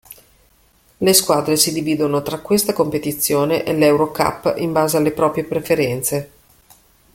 Le squadre si dividono tra questa competizione e l'Eurocup in base alle proprie preferenze.